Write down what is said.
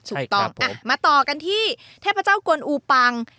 ถูกต้องมาต่อกันที่เทพเจ้ากวนอูปัง